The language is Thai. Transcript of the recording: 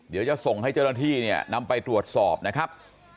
เดี๋ยวจะส่งให้เจ้าหน้าที่เนี่ยนำไปตรวจสอบนะครับ